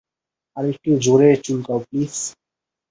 আরেকটু জোরে চুলকাও, প্লিজ।